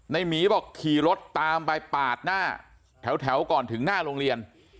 หมีบอกขี่รถตามไปปาดหน้าแถวก่อนถึงหน้าโรงเรียน